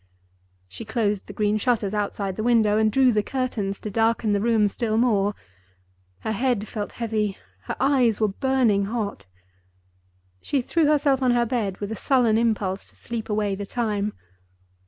She closed the green shutters outside the window and drew the curtains to darken the room still more. Her head felt heavy; her eyes were burning hot. She threw herself on her bed, with a sullen impulse to sleep away the time.